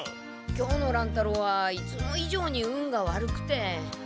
今日の乱太郎はいつも以上に運が悪くて。